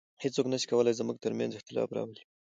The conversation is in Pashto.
هیڅوک نسي کولای زموږ تر منځ اختلاف راولي